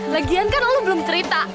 legian kan lo belum cerita